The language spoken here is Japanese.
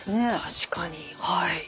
確かにはい。